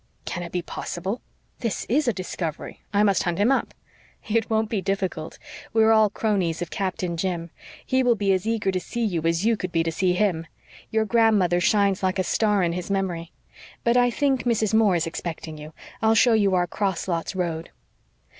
"Can it be possible? This IS a discovery. I must hunt him up." "It won't be difficult; we are all cronies of Captain Jim. He will be as eager to see you as you could be to see him. Your grandmother shines like a star in his memory. But I think Mrs. Moore is expecting you. I'll show you our 'cross lots' road."